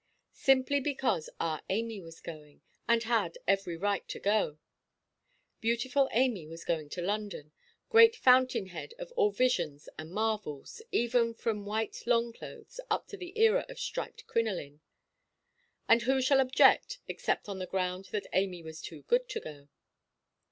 Simply because our Amy was going, and had every right to go. Beautiful Amy was going to London, great fountain–head of all visions and marvels, even from white long–clothes up to the era of striped crinoline. And who shall object, except on the ground that Amy was too good to go?